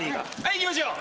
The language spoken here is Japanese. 行きましょう。